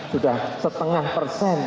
sudah setengah persen coba